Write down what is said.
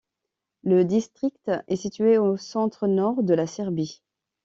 Le district est situé au centre-nord de la Serbie.